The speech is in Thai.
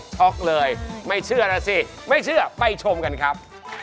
อกเลยไม่เชื่อนะสิไม่เชื่อไปชมกันครับ